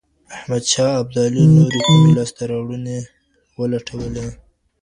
احمد شاه ابدالي نورې کومې سيمي ولټولې؟